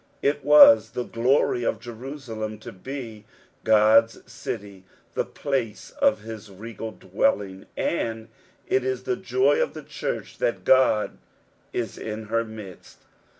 It was the glory of Jerusalem to be God's city, the place of his regal dwelling, and it is the joy of the church that Qod is in her midst.